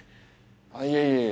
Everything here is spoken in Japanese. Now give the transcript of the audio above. あっいえいえいえ。